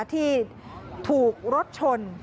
ที่ถูกรถชน